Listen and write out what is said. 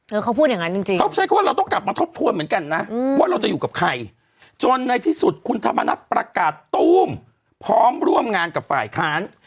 เขาพูดอย่างนั้นจริงเขาใช้คำว่าเราต้องกลับมาทบทวนเหมือนกันนะว่าเราจะอยู่กับใครจนในที่สุดคุณธรรมนัฐประกาศตู้มพร้อมร่วมงานกับฝ่ายค้าน